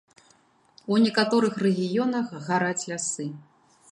У некаторых рэгіёнах гараць лясы.